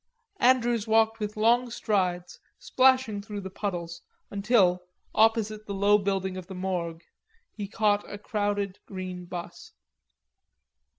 Andrews walked with long strides, splashing through the puddles, until, opposite the low building of the Morgue, he caught a crowded green bus.